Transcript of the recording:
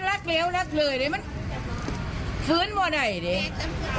คุณสุลินบอกว่ามีความผูกพันกับคุณนักศิลป์ทำให้ดีใจมาก